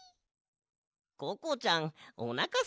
ココちゃんおなかすいてたんだな。